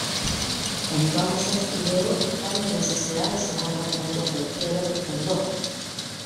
Entonces ideó el plan de la Sociedad de socorros mutuos del Clero, que fundó.